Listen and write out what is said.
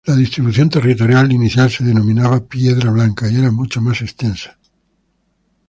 La distribución territorial inicial se denominaba Piedra Blanca y era mucho más extensa.